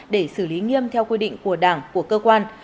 để xử lý nghiêm theo quy định của đảng của cơ quan